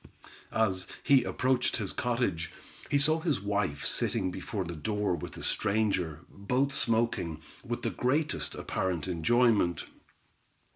As he approached his cottage, he saw his wife sitting before the door with a stranger, both smoking, with the greatest apparent enjoyment.